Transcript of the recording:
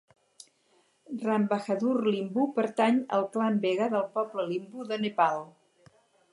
Rambahadur Limbu pertany al Clan Begha del poble Limbu de Nepal.